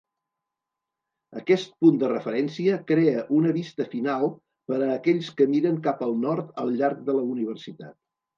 Aquest punt de referència crea una vista final per a aquells que miren cap al nord al llarg de la Universitat.